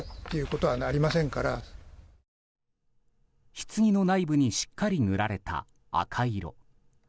ひつぎの内部にしっかり塗られた赤色。